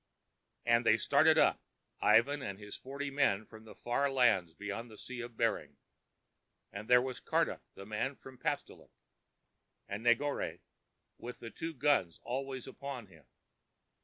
And they started up, Ivan and his forty men from the far lands beyond the Sea of Bering. And there was Karduk, the man from Pastolik, and Negore, with the two guns always upon him.